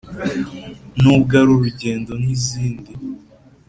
nubwo ari urugendo nk’izindi.